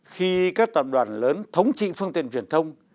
khi các tập đoàn lớn thống trị phương tiện truyền thông